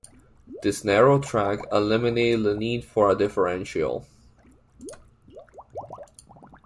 This narrow track eliminated the need for a differential.